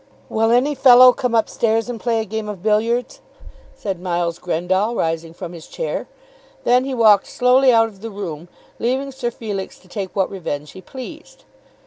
"Will any fellow come up stairs and play a game of billiards?" said Miles Grendall rising from his chair. Then he walked slowly out of the room, leaving Sir Felix to take what revenge he pleased.